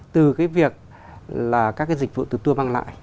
từ việc các dịch vụ từ tour mang lại